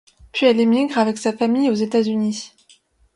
Puis elle émigre avec sa famille aux États-Unis.